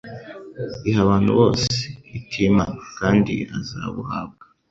iha abantu bose itimana, kandi azabuhabwa."